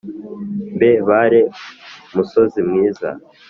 mbe bare musozi mwiza